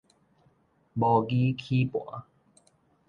模擬齒盤